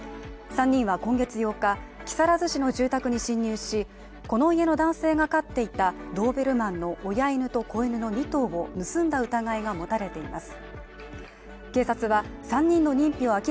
３人は今月８日、木更津市の住宅に侵入し、この家の男性が飼っていたドーベルマンの親犬と子犬の２頭を盗んだ疑いが持たれています。